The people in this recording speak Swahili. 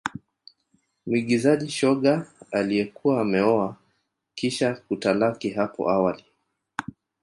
Muigizaji shoga aliyekuwa ameoa kisha kutalaki hapo awali